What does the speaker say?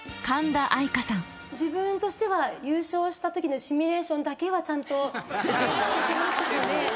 自分としては優勝したときのシミュレーションだけはちゃんとしてきましたので。